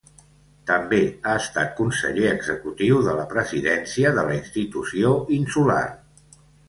També ha estat conseller executiu de Presidència de la institució insular.